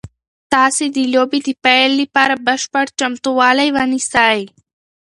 تاسو د لوبې د پیل لپاره بشپړ چمتووالی ونیسئ.